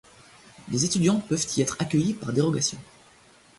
Des étudiants peuvent y être accueillis par dérogation.